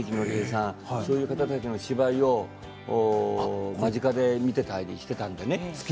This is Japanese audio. そういう方たちの芝居を間近で見ていたりしたのでね。